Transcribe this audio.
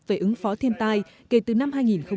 về ứng phó thiên tai kể từ năm hai nghìn một mươi